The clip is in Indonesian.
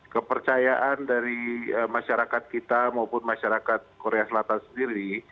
kepercayaan dari masyarakat kita maupun masyarakat korea selatan sendiri